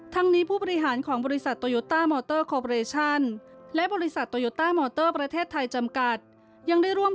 ทั้งนี้ผู้บริหารของบริษัทโตโยต้ามอเตอร์โคปอเรชั่น